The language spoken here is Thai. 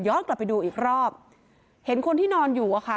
กลับไปดูอีกรอบเห็นคนที่นอนอยู่อะค่ะ